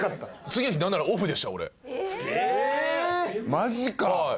マジか？